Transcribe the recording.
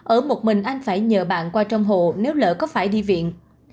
ở một mình anh phải nhờ bạn qua trong hộ nếu lỡ có phải đi viện